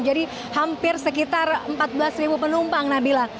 jadi hampir sekitar empat belas penumpang nabila